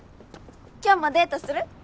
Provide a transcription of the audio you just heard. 今日もデートする？